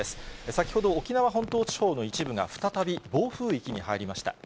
先ほど、沖縄本島地方の一部が再び暴風域に入りました。